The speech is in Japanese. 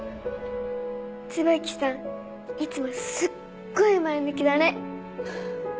椿さんいつもすっごい前向きだね